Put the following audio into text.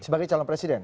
sebagai calon presiden